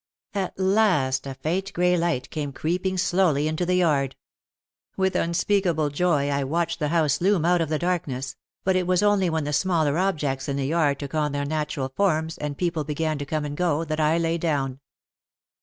At last a faint grey light came creeping slowly into the yard. With unspeakable joy I watched the house loom out of the darkness, but it was only when the small er objects in the yard took on their natural forms, and people began to come and go, that I lay down.